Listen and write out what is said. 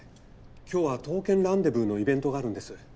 今日は『刀剣らんでぶー』のイベントがあるんです。